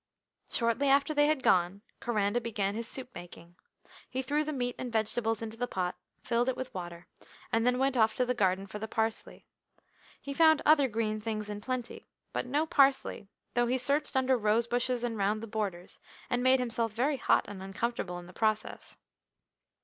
Shortly after they had gone Coranda began his soup making. He threw the meat and vegetables into the pot, filled it with water, and then went off to the garden for the parsley. He found other green things in plenty, but no parsley, though he searched under rose bushes and round the borders, and made himself very hot and uncomfortable in the process.